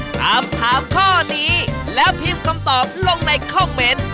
ถามถามข้อนี้แล้วพิมพ์คำตอบลงในคอมเมนต์